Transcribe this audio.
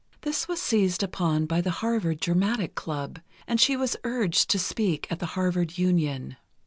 This was seized upon by the Harvard Dramatic Club, and she was urged to speak at the Harvard Union.